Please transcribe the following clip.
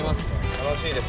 楽しいです。